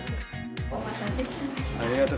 お待たせしました。